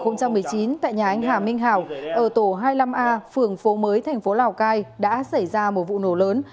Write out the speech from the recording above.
năm hai nghìn một mươi chín tại nhà anh hà minh hảo ở tổ hai mươi năm a phường phố mới thành phố lào cai đã xảy ra một vụ nổ lớn